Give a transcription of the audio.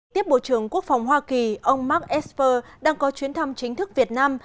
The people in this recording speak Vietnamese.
tiếp bộ trưởng quốc phòng hoa kỳ ông mark esper đang có chuyến thăm chính thức việt nam